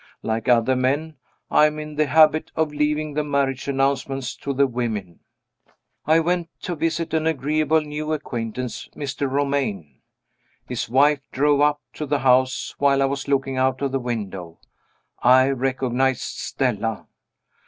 Like other men, I am in the habit of leaving the marriage announcements to the women. I went to visit an agreeable new acquaintance, Mr. Romayne. His wife drove up to the house while I was looking out of window. I recognized Stella!